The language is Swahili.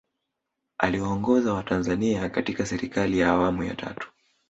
Aliwaongoza watanzania katika Serikali ya Awamu ya tatu